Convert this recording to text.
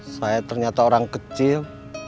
saya ternyata orang kecil